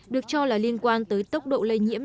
được cho là liên quan tới tốc độ lây nhiễm